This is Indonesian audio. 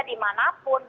di mana pun